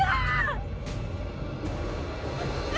merindik gue gue gak tau gue di kuburan ya